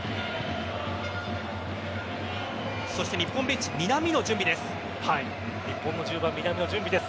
そして日本ベンチ南野が準備です。